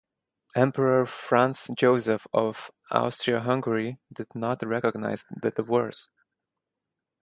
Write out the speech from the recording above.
Emperor Franz-Josef of Austria-Hungary did not recognise the divorce.